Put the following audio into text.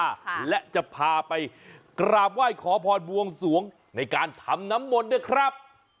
ค่ะและจะพาไปกราบไหว้ขอพรบวงสวงในการทำน้ำมนต์ด้วยครับ